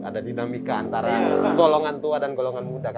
ada dinamika antara golongan tua dan golongan muda